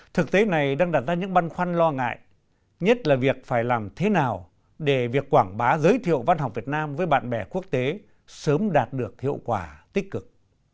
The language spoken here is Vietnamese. thực tế này đang đặt ra những băn khoăn lo ngại nhất là việc phải làm thế nào để việc quảng bá giới thiệu văn học việt nam với bạn bè quốc tế sớm đạt được hiệu quả tích cực